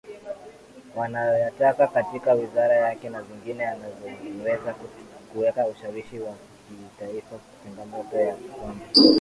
wanayoyataka katika wizara yake na zingine anazoweza kuweka ushawishi wa kitaifaChangamoto ya kwanza